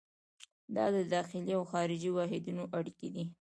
دا د داخلي او خارجي واحدونو اړیکې دي.